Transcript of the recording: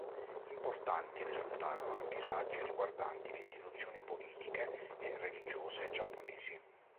Importanti risultarono anche i saggi riguardanti le istituzioni politiche e religiose giapponesi.